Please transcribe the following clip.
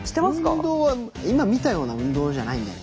運動は今見たような運動じゃないんだよ。